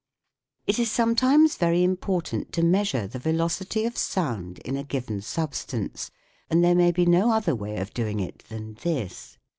It is sometimes very important to measure the velocity of sound in a given substance, and there may be no other way of doing it than this.